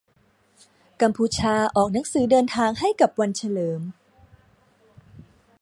กัมพูชาออกหนังสือเดินทางให้กับวันเฉลิม